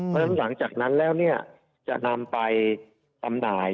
เพราะหลังจากนั้นแล้วจะนำไปต่ำหน่าย